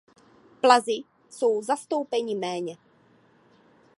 Plazi jsou zastoupeni méně.